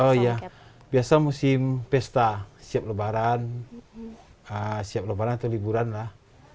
oh iya biasa musim pesta siap lebaran siap lebaran atau liburan lah